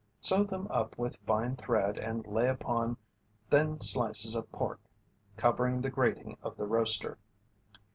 Sew them up with fine thread and lay upon thin slices of pork, covering the grating of the roaster.